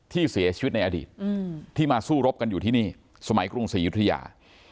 ที่เสียชีวิตในอดีตที่มาสู้รบกันอยู่ที่นี่สมัยกรุงศรียุธยา